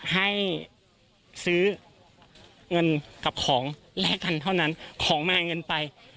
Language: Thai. ให้ซื้อเงินกับของแลกกันเท่านั้นของมาเงินไป